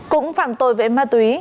cũng phạm tội với ma túy